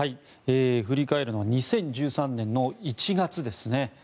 振り返るのは２０１３年の１月ですね。